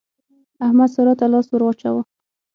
احمد سارا ته لاس ور واچاوو.